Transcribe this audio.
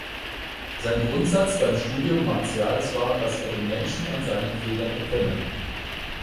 Sein Grundsatz beim Studium Martials war, dass er den Menschen an seinen Fehlern erkenne.